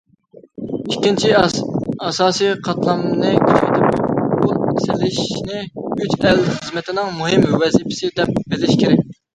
ئىككىنچى، ئاساسىي قاتلامنى كۈچەيتىپ، ئۇل سېلىشنى‹‹ ئۈچ ئەل›› خىزمىتىنىڭ مۇھىم ۋەزىپىسى دەپ بىلىش كېرەك.